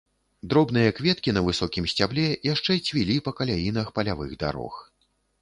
Дробныя кветкі на высокім сцябле яшчэ цвілі па каляінах палявых дарог.